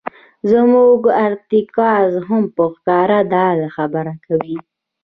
زموږ ارتکاز هم په ښکاره دا خبره کوي.